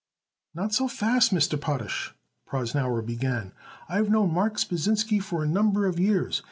"Not so fast, Mr. Potash," Prosnauer began. "I've known Marks Pasinsky for a number of years.